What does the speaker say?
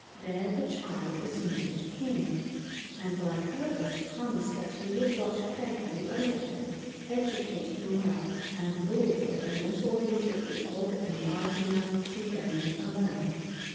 There the child was named king; and Lycurgus promised that he would watch carefully over him, educate him well, and rule for him until he should be old and wise enough to reign alone.